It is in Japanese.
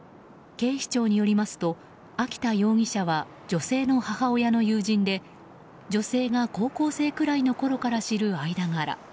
警視庁によりますと秋田容疑者は女性の母親の友人で女性が高校生くらいのころから知る間柄。